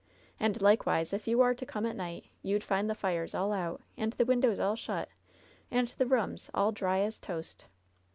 And likewise, if you war to come at night, you'd find the fires all out, and the windows all shut, and the rooms all dry as a toast.''